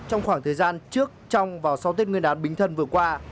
trong khoảng thời gian trước trong và sau tết nguyên đán bính thân vừa qua